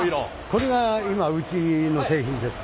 これが今うちの製品です。